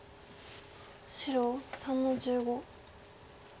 白３の十五。